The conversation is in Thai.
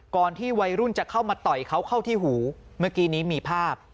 ก่อนที่วัยรุ่นจะเข้ามาต่อยเขาเข้าที่หูเมื่อกี้นี้มีภาพ